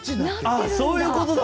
あっそういうことだ！